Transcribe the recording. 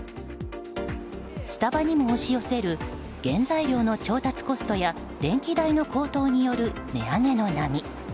スタバにも押し寄せる原材料の調達コストや電気代の高騰による値上げの波。